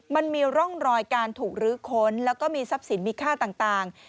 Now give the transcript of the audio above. มันมีร่องรอยการถูกรื้อค้นแล้วก็มีทรัพย์สินมีค่าต่าง